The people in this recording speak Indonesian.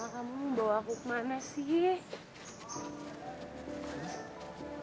kamu bawa aku kemana sih